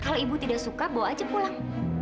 kalau ibu tidak suka bawa aja pulang